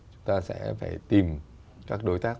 chúng ta sẽ phải tìm các đối tác